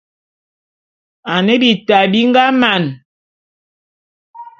Ane bita bi nga man.